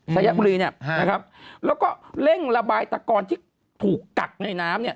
ชายบุรีเนี่ยนะครับแล้วก็เร่งระบายตะกอนที่ถูกกักในน้ำเนี่ย